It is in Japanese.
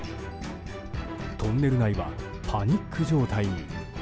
トンネル内はパニック状態に。